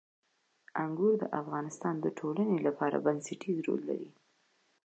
انګور د افغانستان د ټولنې لپاره بنسټيز رول لري.